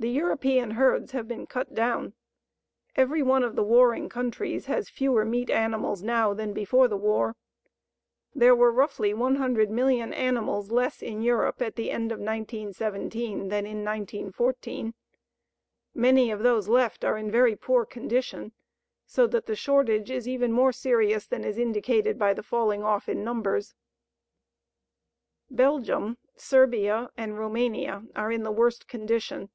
The European herds have been cut down. Every one of the warring countries has fewer meat animals now than before the war. There were roughly 100,000,000 animals less in Europe at the end of 1917 than in 1914. Many of those left are in very poor condition, so that the shortage is even more serious than is indicated by the falling off in numbers. Belgium, Serbia, and Roumania are in the worst condition.